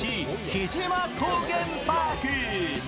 城島高原パーク。